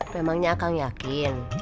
memangnya akang yakin